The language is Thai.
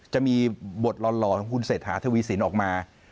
จะมีบทหลอนของคุณเศรษฐธวีศิลป์ออกมา